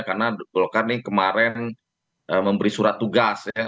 karena golkar ini kemarin memberi surat tugas ya